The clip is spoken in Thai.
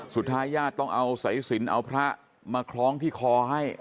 สุดท้ายญาติต้องเอาสายสินเอาพระมาคล้องที่คอให้